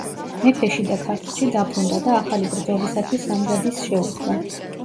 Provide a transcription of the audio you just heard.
მეფე შიდა ქართლში დაბრუნდა და ახალი ბრძოლისათვის სამზადისს შეუდგა.